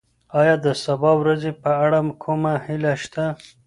ایا د سبا ورځې په اړه کومه هیله شته؟